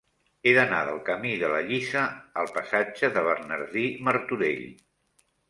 He d'anar del camí de la Lliça al passatge de Bernardí Martorell.